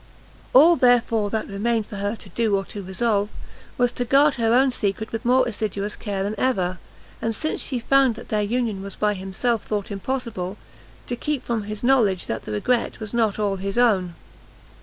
All, therefore, that remained for her to do or to resolve, was to guard her own secret with more assiduous care than ever, and since she found that their union was by himself thought impossible, to keep from his knowledge that the regret was not all his own.